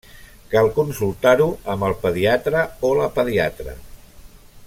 Cal consultar-ho amb el pediatre o la pediatra.